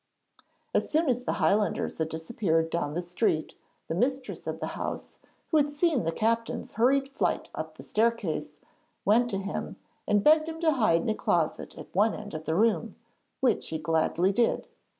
As soon as the Highlanders had disappeared down the street, the mistress of the house, who had seen the captain's hurried flight up the staircase, went to him and begged him to hide in a closet at one end of the room, which he gladly did.